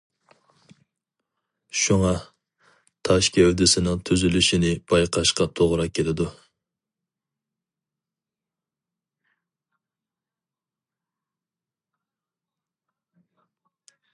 شۇڭا، تاش گەۋدىسىنىڭ تۈزۈلۈشىنى بايقاشقا توغرا كېلىدۇ.